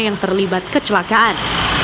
yang terlibat kecelakaan